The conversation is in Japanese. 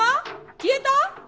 消えた！？